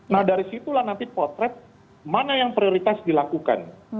nah dari situlah nanti potret mana yang prioritas dilakukan